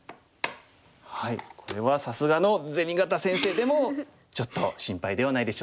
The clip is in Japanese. これはさすがのぜにがた先生でもちょっと心配ではないでしょうか。